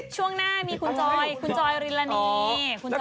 ช่วงหน้ามีคุณจอยคุณจอยริลานี